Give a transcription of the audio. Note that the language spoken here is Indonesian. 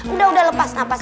udah udah lepas napasnya